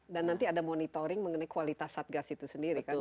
dan nanti ada monitoring mengenai kualitas satgas itu sendiri kan